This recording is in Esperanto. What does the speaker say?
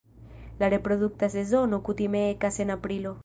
La reprodukta sezono kutime ekas en aprilo.